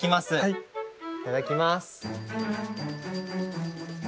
いただきます。